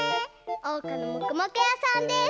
おうかの「もくもくやさん」です。